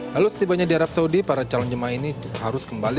lalu setibanya di arab saudi para calon jemaah ini harus kembali